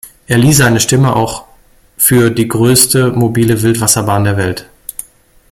Er lieh seine Stimme auch für die größte mobile Wildwasserbahn der Welt.